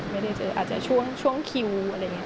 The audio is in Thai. ไม่ได้เจออาจจะช่วงคิวอะไรอย่างนี้